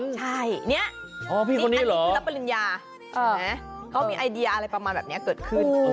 ใช่เนี่ยพี่คนนี้เหรอพี่รับปริญญาเขามีไอเดียอะไรประมาณแบบนี้เกิดขึ้น